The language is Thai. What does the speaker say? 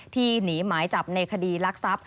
ที่หนีหมายจับในคดีรักทรัพย์